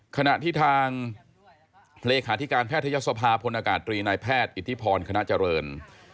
ขณะที่ทางเลขาธิการแพทยศภาพลอากาศตรีนายแพทย์อิทธิพรคณะเจริญ